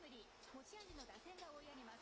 持ち味の打線が追い上げます。